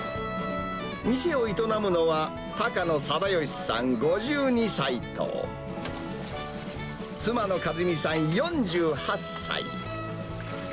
店を営むのは高野定義さん５２歳と、妻の和美さん４８歳。